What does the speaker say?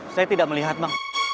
saya tidak melihat bang